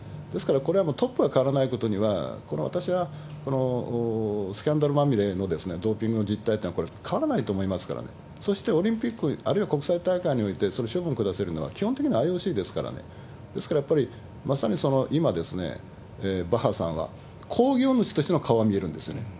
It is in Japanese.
ですからこれはトップが変わらないことには、私はこのスキャンダルまみれのドーピングの実態っていうのは、これ、変わらないと思いますからね、そしてオリンピック、あるいは国際大会においてその処分を下せるのは、基本的にはＩＯＣですからね、ですから、やっぱりまさに今、バッハさんは興行主としての顔は見えるんですね。